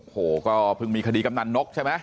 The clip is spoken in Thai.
โหก็เพิ่งมีคดีกำนันนกใช่ไหม